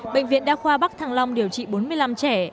bệnh viện đa khoa bắc thăng long điều trị bốn mươi năm trẻ